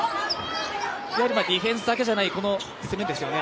ディフェンスだけじゃないこの攻めですよね。